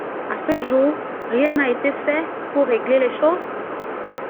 À ce jour, rien n’a été fait pour régler les choses.